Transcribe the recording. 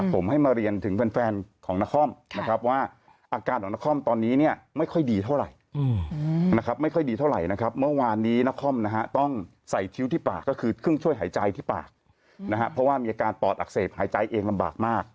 เพราะว่ามีอาการปอดอักเสบหายใจเองลำบากมาก